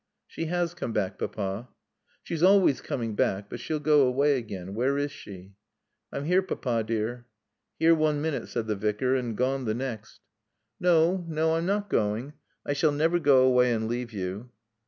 "She has come back, Papa." "She's always coming hack. But she'll go away again. Where is she?" "I'm here, Papa dear." "Here one minute," said the Vicar, "and gone the next." "No no. I'm not going. I shall never go away and leave you."